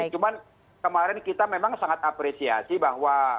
cuman kemarin kita memang sangat apresiasi bahwa